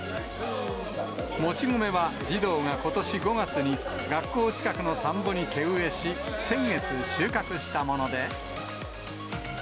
もち米は児童がことし５月に学校近くの田んぼに手植えし、先月、うまい！